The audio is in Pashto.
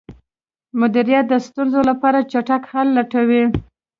مدیریت د ستونزو لپاره چټک حل لټوي.